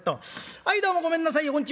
はいどうもごめんなさいこんにちは。